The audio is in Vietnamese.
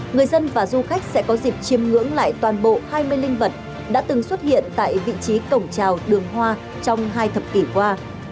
người dân và du khách sẽ có dịp chiêm ngưỡng lại toàn bộ hai mươi linh vật đã từng xuất hiện tại vị trí cổng trào đường hoa trong hai thập kỷ qua